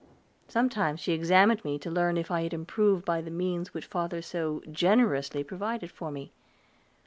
Sometimes she examined me to learn if I had improved by the means which father so generously provided for me.